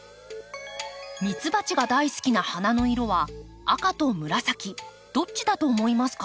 ミツバチが大好きな花の色は赤と紫どっちだと思いますか？